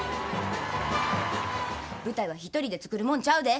舞台は一人で作るもんちゃうで。